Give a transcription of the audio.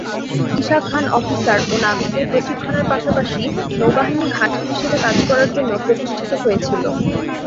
Isha Khan officer ও নাবিকদের প্রশিক্ষণের পাশাপাশি নৌবাহিনী ঘাঁটি হিসাবে কাজ করার জন্য প্রতিষ্ঠিত হয়েছিল।